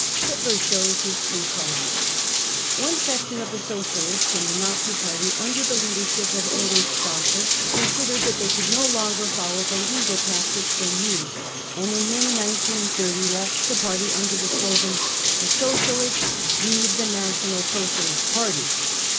Hitler Shows his True Colours. One section of tlm "socialists" in the Nazi Party, under the leadership of .Otto Strasser, considered that they could no longer follow the legal tactics then used, and in May 1930 left the Party under the slogan :" The Socialists leave the National Socialist Party."